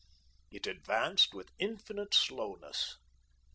It advanced with infinite slowness.